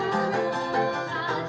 kerajaan yang lebih baik